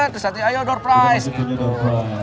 terserah aja door price gitu